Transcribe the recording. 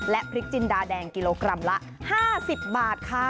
พริกจินดาแดงกิโลกรัมละ๕๐บาทค่ะ